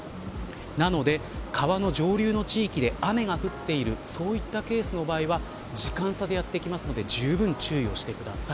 なので、川の上流の地域で雨が降っているそういったケースの場合は時間差でやってくるのでじゅうぶん注意をしてください。